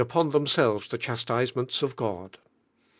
on themselves the chastisements of God.